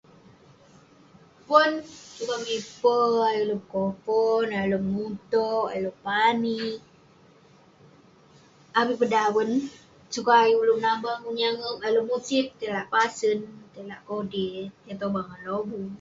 Pon, sukat miper ayuk ulouk pekopon, ayuk ulouk mutouk, ayuk ulouk pani. Avik peh daven, sukat ayuk ulouk menabang, menyangep, ayuk ulouk musit tai lak pasen, tak lak kodei, tai tobang ngan ireh lobuk.